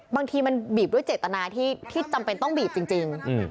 บางทีมันบีบด้วยเจตนาที่จำเป็นต้องบีบจริง